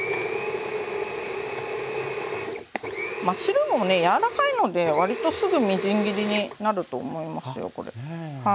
マッシュルームもね柔らかいので割とすぐみじん切りになると思いますよこれ。